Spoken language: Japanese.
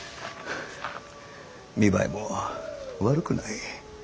見栄えも悪くない。